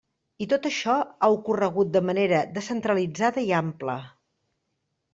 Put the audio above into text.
I tot això ha ocorregut de manera descentralitzada i ampla.